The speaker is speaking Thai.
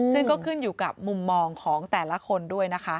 ซึ่งก็ขึ้นอยู่กับมุมมองของแต่ละคนด้วยนะคะ